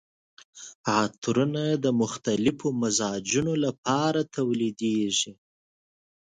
عطرونه د مختلفو مزاجونو لپاره تولیدیږي.